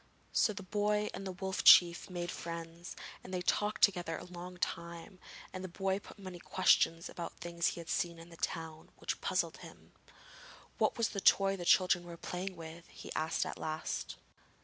So the boy and the Wolf Chief made friends, and they talked together a long time, and the boy put many questions about things he had seen in the town, which puzzled him. 'What was the toy the children were playing with?' he asked at last.